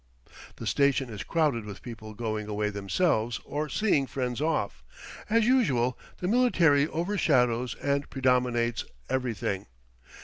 The station is crowded with people going away themselves or seeing friends off. As usual, the military overshadows and predominates everything.